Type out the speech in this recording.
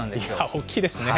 大きいですね。